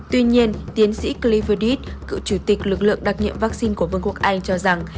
tuy nhiên tiến sĩ glyvedeit cựu chủ tịch lực lượng đặc nhiệm vaccine của vương quốc anh cho rằng